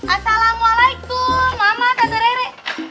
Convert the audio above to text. assalamualaikum mama tante rere